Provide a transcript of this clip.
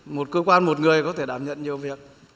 một cơ quan một người có thể đảm nhận nhiều việc